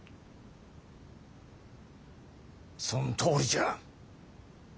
そんとおりじゃ。